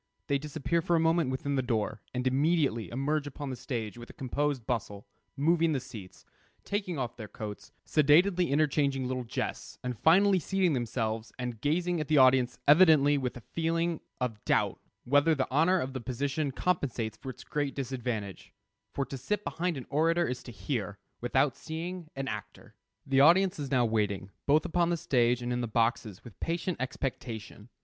They disappear for a moment within the door, and immediately emerge upon the stage with a composed bustle, moving the seats, taking off their coats, sedately interchanging little jests, and finally seating themselves, and gazing at the audience evidently with a feeling of doubt whether the honor of the position compensates for its great disadvantage; for to sit behind an orator is to hear, without seeing, an actor. The audience is now waiting, both upon the stage and in the boxes, with patient expectation.